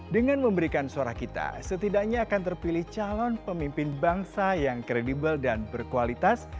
dengan memberikan suara kita setidaknya akan terpilih calon pemimpin bangsa yang kredibel dan berkualitas